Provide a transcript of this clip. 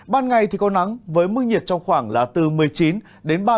ban ngày thì có nắng với mức nhiệt trong khoảng là từ một mươi chín đến ba mươi độ